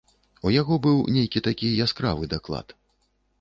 У яго быў нейкі такі яскравы даклад.